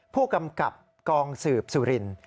ผู้กำกับกองสืบสุรินทร์